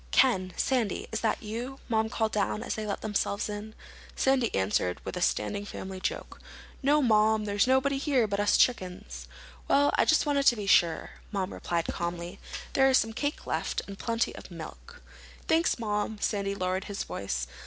"Ken—Sandy—is that you?" Mom called down as they let themselves in. Sandy answered with a standing family joke. "No, Mom. There's nobody here but us chickens." "Well, I just wanted to be sure," Mom replied calmly. "There's some cake left—and plenty of milk." "Thanks, Mom." Sandy lowered his voice.